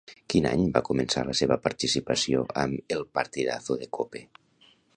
Quin any va començar la seva participació amb "El Partidazo de Cope"?